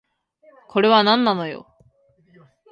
これはなんなのよ